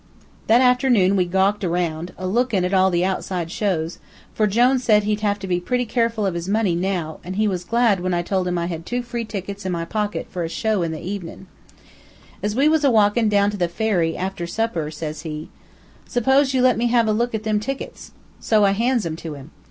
"That afternoon we gawked around, a lookin' at all the outside shows, for Jone said he'd have to be pretty careful of his money now, an' he was glad when I told him I had two free tickets in my pocket for a show in the evenin.' "As we was a walkin' down to the ferry, after supper, says he: "'Suppose you let me have a look at them tickets.' "So I hands 'em to him.